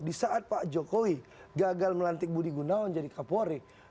di saat pak jokowi gagal melantik budi gunawan jadi kapolri